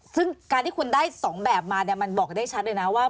ซึ่งการที่คุณได้๒แบบมาเนี่ยมันบอกได้ชัดเลยนะว่า